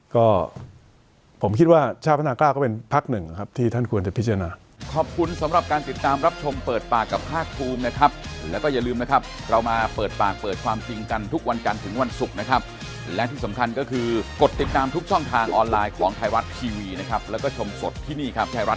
ก็ผมคิดว่าชาติพัฒนากล้าก็เป็นพักหนึ่งครับที่ท่านควรจะพิจารณา